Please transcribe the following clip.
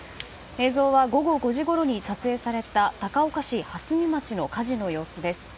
映像は午後５時ごろに撮影された高岡市蓮美町の火事の様子です。